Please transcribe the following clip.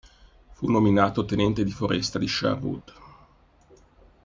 Fu nominato tenente di foresta di Sherwood.